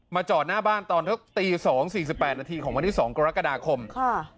มาจอหน้าบ้านตอนตี๒๔๘นาทีของวันที่๒กรกฎาคมค่ะ